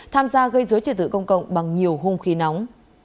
tham gia gây dối trị tử công cộng bằng nhiều hung khí nóng